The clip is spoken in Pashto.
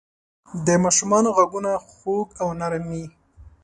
د ماشومانو ږغونه خوږ او نرم وي.